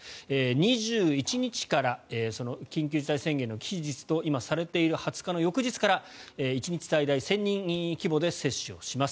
２１日から緊急事態宣言の期日とされている２０日の翌日から１日最大１０００人規模で接種します。